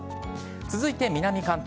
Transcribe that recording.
続いて南関東。